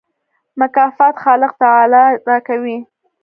مکافات خالق تعالی راکوي.